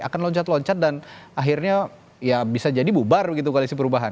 akan loncat loncat dan akhirnya ya bisa jadi bubar begitu koalisi perubahan